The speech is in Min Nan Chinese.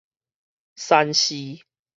山寺